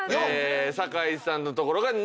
酒井さんのところが２。